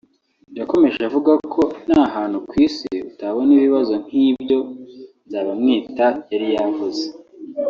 yakomeje avuga ko nta hantu ku isi utabona ibibazo nk’ibyo Nzakamwita yari yavuze